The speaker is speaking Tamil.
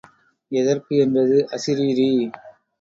எதற்கு? என்றது அசரீரி.